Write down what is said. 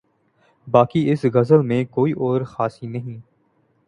باقی اس غزل میں کوئی اور خامی نہیں۔